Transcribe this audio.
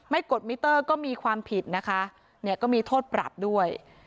กดมิเตอร์ก็มีความผิดนะคะเนี่ยก็มีโทษปรับด้วย